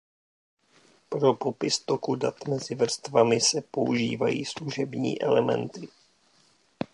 Pro popis toku dat mezi vrstvami se používají služební elementy.